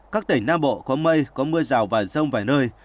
các tỉnh nam bộ có mây có mưa rào và rông vài nơi